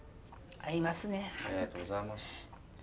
ありがとうございます。